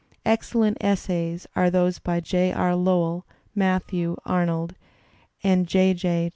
Excellent essays are those by J. R. Lowell, Matthew Arnold, and J. J.